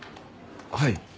はい。